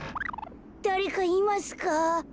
だれかいますか？